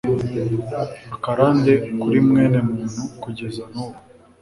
akarande kuri mwenemuntu kugeza nubu